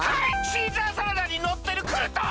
シーザーサラダにのってるクルトン！